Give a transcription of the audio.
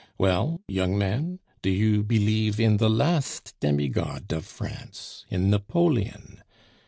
Well, young man, do you believe in the last demi god of France, in Napoleon?